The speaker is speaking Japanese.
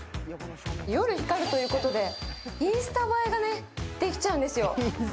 夜光ということで、インスタ映えができちゃうんですよ。